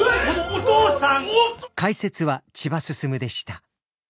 お父さん！？